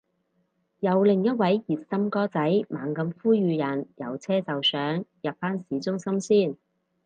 有另一位熱心哥仔猛咁呼籲人有車就上，入返市中心先